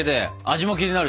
味も気になるし。